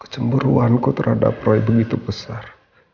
kecemburuanku terhadap roy begitu besar